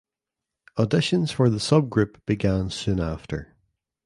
Auditions for the subgroup began soon after.